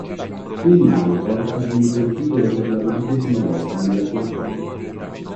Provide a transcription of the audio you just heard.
Il Maribor ha vinto il titolo per la dodicesima volta nella sua storia.